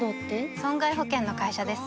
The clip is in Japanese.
損害保険の会社です